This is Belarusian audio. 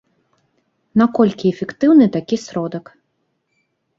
Наколькі эфектыўны такі сродак?